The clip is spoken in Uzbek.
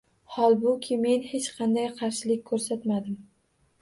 Holbuki, men hech qanday qarshilik ko‘rsatmadim.